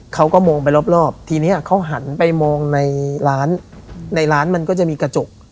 เขาก็มองไปรอบทีนี้เขาหันไปมองในร้านในร้านมันก็จะมีกระจก